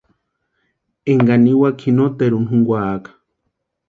Énkani niwaka ji noteruni junkwaaka.